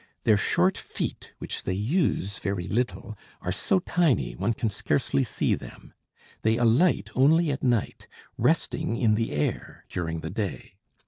Their short feet, which they use very little, are so tiny one can scarcely see them. They alight only at night, resting in the air during the day.